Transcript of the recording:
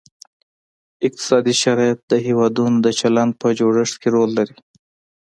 اقتصادي شرایط د هیوادونو د چلند په جوړښت کې رول لري